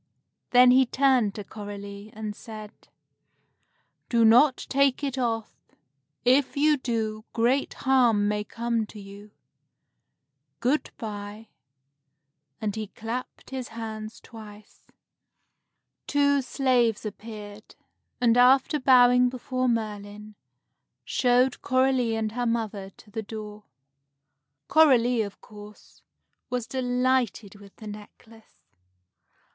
Then he turned to Coralie, and said, "Do not take it off. If you do, great harm may come to you. Good by," and he clapped his hands twice. [Illustration: HE THREW THE NECKLACE AROUND CORALIE'S NECK] Two slaves appeared, and after bowing before Merlin, showed Coralie and her mother to the door. Coralie, of course, was delighted with the necklace.